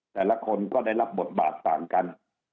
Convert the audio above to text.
แต่ละคนก็ได้รับบทบาทต่างกัน